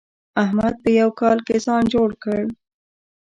احمد په يوه کال کې ځان جوړ کړ.